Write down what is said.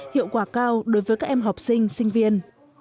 hiệu quả cao đối với các em học sinh sinh viên